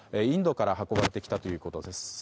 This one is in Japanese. インドから運ばれてきたということです。